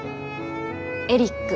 エリック。